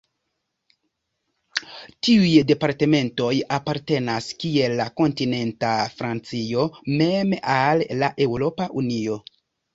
Tiuj departementoj apartenas, kiel la kontinenta Francio mem, al la Eŭropa Unio.